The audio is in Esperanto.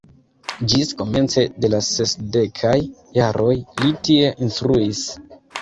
Ĝis komence de la sesdekaj jaroj li tie instruis.